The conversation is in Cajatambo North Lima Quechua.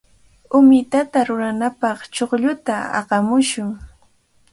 Umitata ruranapaq chuqlluta aqamushun.